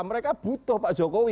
mereka butuh pak jokowi